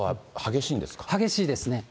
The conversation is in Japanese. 激しいですね。